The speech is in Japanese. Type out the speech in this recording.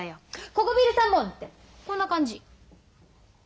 ここビール３本！」ってこんな感じ。